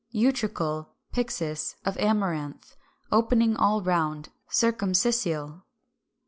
Utricle (pyxis) of Amaranth, opening all round (circumscissile).